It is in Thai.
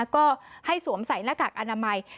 ก็ให้สวมใส่หน้ากากอนามัย